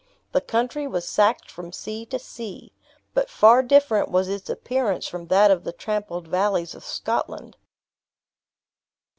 The country was sacked from sea to sea. But far different was its appearance from that of the trampled valleys of Scotland.